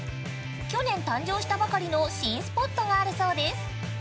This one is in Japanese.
去年誕生したばかりの新スポットがあるそうです。